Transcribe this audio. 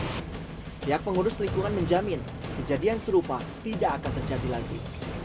pihak pengurus lingkungan menjamin kejadian serupa tidak akan terjadi lagi